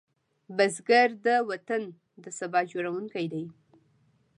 بزګر د وطن د سبا جوړوونکی دی